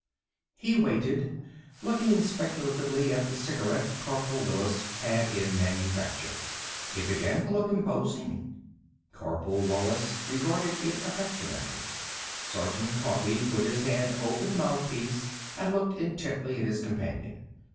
He waited, looking speculatively at the cigarette Corporal Wallis had in manufacture. It began to look imposing. Corporal Wallis regarded it affectionately. Sergeant Coffee put his hand over the mouthpiece, and looked intently at his companion.